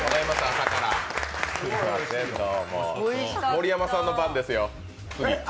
盛山さんの番ですよ、次。